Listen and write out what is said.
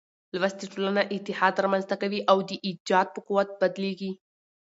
لوستې ټولنه اتحاد رامنځ ته کوي او د ايجاد په قوت بدلېږي.